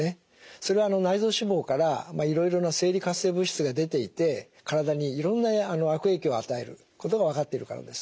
それは内臓脂肪からいろいろな生理活性物質が出ていて体にいろんな悪影響を与えることが分かっているからです。